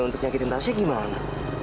untuk nyakitin tansi gimana